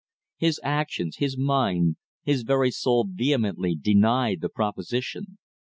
His actions, his mind, his very soul vehemently denied the proposition.